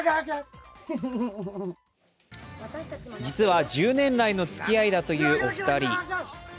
実は１０年来の付き合いだというお二人。